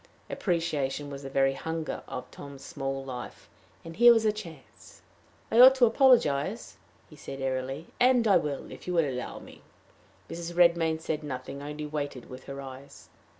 Appreciation was the very hunger of Tom's small life, and here was a chance! "I ought to apologize," he said, airily, "and I will, if you will allow me." Mrs. Redmain said nothing, only waited with her eyes.